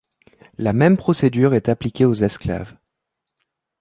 La même procédure est appliquée aux esclaves.